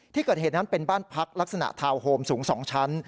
ที่เกิดเหตุนั้นเป็นบ้านพักลักษณะทาวน์โฮมสูง๒ชั้น